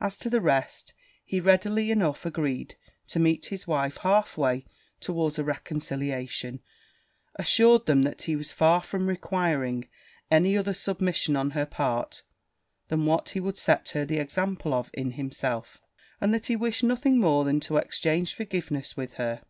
As to the rest, he readily enough agreed to meet his wife half way towards a reconciliation; assured them, that he was far from requiring any other submission on her part, than what he would set her the example of in himself, and that he wished nothing more than to exchange forgiveness with her.